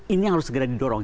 ini yang harus segera didorong